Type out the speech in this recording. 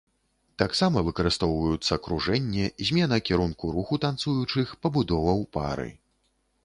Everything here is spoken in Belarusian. Таксама выкарыстоўваюцца кружэнне, змена кірунку руху танцуючых, пабудова ў пары.